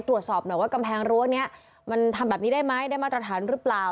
ตรวจสอบหน่อยว่ากำแพงรั้วนี้มันทำแบบนี้ได้ไหมได้มาตรฐานหรือเปล่า